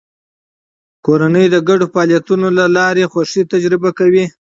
کورنۍ د ګډو فعالیتونو له لارې خوښي تجربه کوي